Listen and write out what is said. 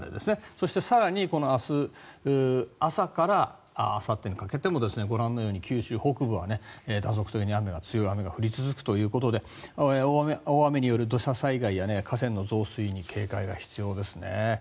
そして、更に明日朝からあさってにかけてもご覧のように九州北部は断続的に強い雨が降り続くということで大雨による土砂災害や河川の増水に警戒が必要ですね。